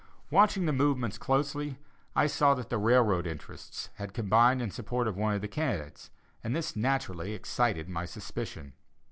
Watching the movements closely, I saw that the railroad interests had combined in support of one of the candidates, and this naturally excited my suspicion.